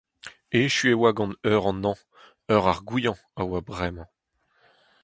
Echu e oa gant eur an hañv, eur ar goañv a oa bremañ.